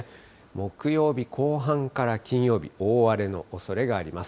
木曜日後半から金曜日、大荒れのおそれがあります。